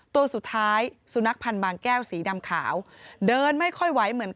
ตัวสุดท้ายสุนัขพันธ์บางแก้วสีดำขาวเดินไม่ค่อยไหวเหมือน